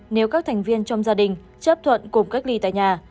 nếu các thành viên trong gia đình chấp thuận cùng cách ly tại nhà